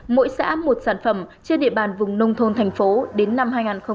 mỗi xã một sản phẩm trên địa bàn vùng nông thôn thành phố đến năm hai nghìn hai mươi